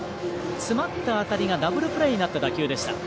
詰まった当たりがダブルプレーになった打球でした。